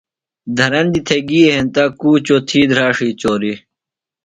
دھرندیۡ تھےۡ گی ہنتہ، کُوچوۡ تھی دھراڇی چوریۡ